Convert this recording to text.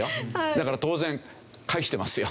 だから当然返してますよ。